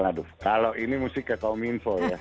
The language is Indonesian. aduh kalau ini mesti ke kaum info ya